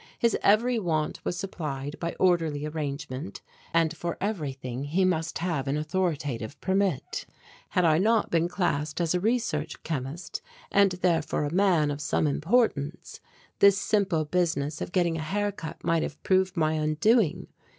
His every want was supplied by orderly arrangement and for everything he must have an authoritative permit. Had I not been classed as a research chemist, and therefore a man of some importance, this simple business of getting a hair cut might have proved my undoing.